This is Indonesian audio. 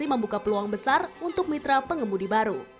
membuka peluang besar untuk mitra pengemudi baru